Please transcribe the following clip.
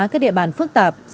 các địa bàn phức tạp